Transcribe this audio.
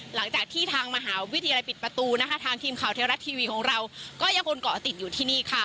หลังจากที่ทางมหาวิทยาลัยปิดประตูนะคะทางทีมข่าวเทวรัฐทีวีของเราก็ยังคงเกาะติดอยู่ที่นี่ค่ะ